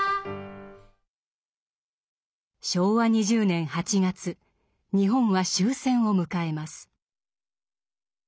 昭和２０年８月日本は終戦を迎えます。